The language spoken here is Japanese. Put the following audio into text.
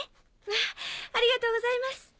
わぁありがとうございます。